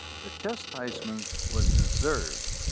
The chastisement was deserved.